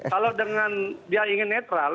kalau dengan dia ingin netral